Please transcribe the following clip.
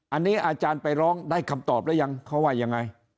อันนี้อาจารย์ไปร้องได้คำตอบหรือยังเขาว่ายังไง